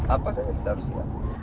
apa saja kita harus siap